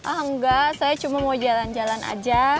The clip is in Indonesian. enggak saya cuma mau jalan jalan aja